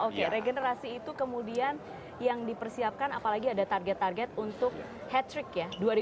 oke regenerasi itu kemudian yang dipersiapkan apalagi ada target target untuk hat trick ya